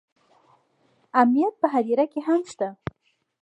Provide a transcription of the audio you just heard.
امنیت په هدیره کې هم شته